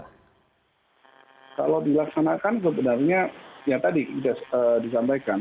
kalau dilaksanakan sebenarnya yang tadi disampaikan